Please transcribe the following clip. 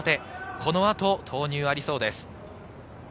この後、投入がありそうです。